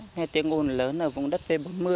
nghe tiếng ồn lớn ở vùng đất p bốn mươi